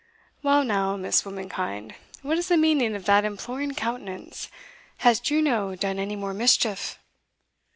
"Well, now, Miss Womankind, what is the meaning of that imploring countenance? has Juno done any more mischief?"